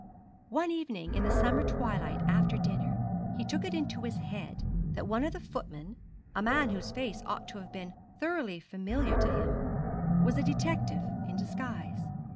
One evening, in the summer twilight after dinner, he took it into his head that one of the footmen a man whose face ought to have been thoroughly familiar to him was a detective in disguise.